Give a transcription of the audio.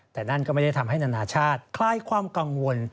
แต่นั่นก็ไม่ได้ทำให้นานาชาติคลายความกังวล